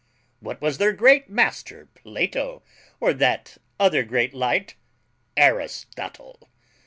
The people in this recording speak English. What was their great master Plato, or their other great light Aristotle?